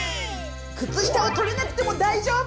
靴下をとれなくても大丈夫！